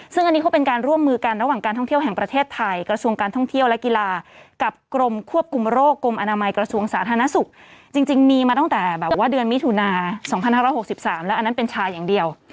ซึ่งอันนี้เขาเป็นการร่วมมือกันระหว่างการท่องเที่ยวแห่งประเทศไทยกระทรวงการท่องเที่ยวและกีฬากับกรมควบคุมโรคกรมอนามัยกระทรวงสาธารณสุขจริงมีมาตั้งแต่แบบว่าเดือนมิถุนา๒๕๖๓แล้วอันนั้นเป็นชายอย่างเดียว